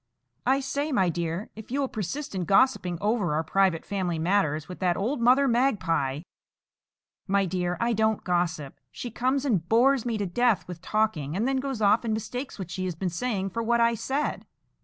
"I say, my dear, if you will persist in gossiping over our private family matters with that old Mother Magpie—" "My dear, I don't gossip. She comes and bores me to death with talking, and then goes off and mistakes what she has been saying for what I said."